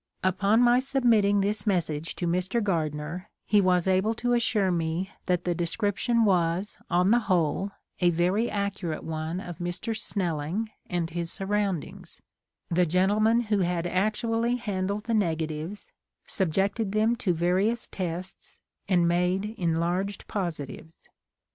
Upon my submitting this message to Mr. Gardner he was able to as sure me that the description was, on the whole, a very accurate one of Mr. Snelling and his surroundings, the gentleman who had actually handled the negatives, subjected them to various tests and made enlarged positives.